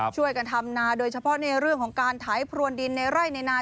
ช่วยกันทำนาโดยเฉพาะในเรื่องของการไถพรวนดินในไร่ในนา